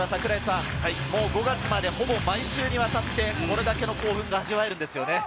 ５月まで、ほぼ毎週にわたってこれだけの興奮が味わえるんですよね。